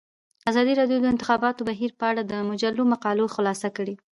ازادي راډیو د د انتخاباتو بهیر په اړه د مجلو مقالو خلاصه کړې.